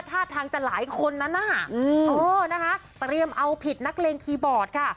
ท่าทางจะหลายคนนั้นน่ะเออนะคะเตรียมเอาผิดนักเลงคีย์บอร์ดค่ะ